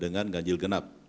dengan gajil genap